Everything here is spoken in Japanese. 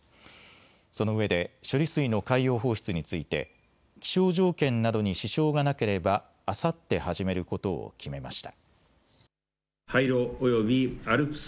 そのうえで処理水の海洋放出について気象条件などに支障がなければ、あさって始めることを決めました。